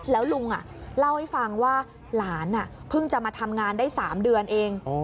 แล้วลุงเล่าให้ฟังว่าหลานเพิ่งจะมาทำงานได้๓เดือนเอง